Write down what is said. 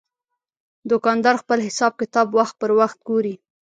دوکاندار خپل حساب کتاب وخت پر وخت ګوري.